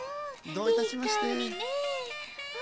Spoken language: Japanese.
どういたしまして。